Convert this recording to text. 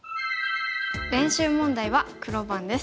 練習問題は黒番です。